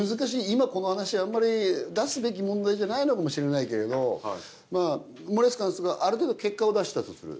今この話あんまり出すべき問題じゃないのかもしれないけれど森保監督がある程度結果を出したとする。